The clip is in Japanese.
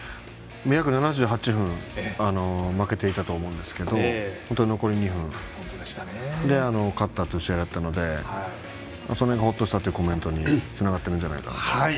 約７８分負けていたと思いますが残り２分で勝ったという試合だったのでその辺がほっとしたというコメントにつながっているんじゃないかなと思います。